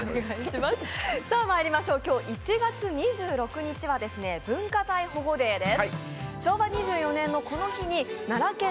今日１月２６日は文化財保護デーです。